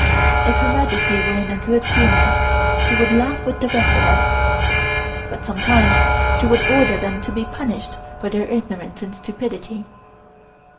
If Her Majesty were in a good humor she would laugh with the rest of us, but sometimes she would order them to be punished for their ignorance and stupidity.